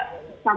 batuk dan demam